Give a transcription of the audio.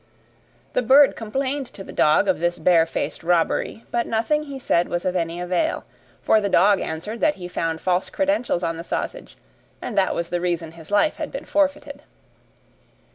The bird complained to the dog of this bare faced robbery, but nothing he said was of any avail, for the dog answered that he found false credentials on the sausage, and that was the reason his life had been forfeited.